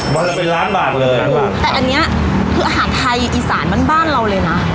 วันละเป็นล้านบาทเลยล้านบาทแต่อันเนี้ยคืออาหารไทยอีสานบ้านบ้านเราเลยนะ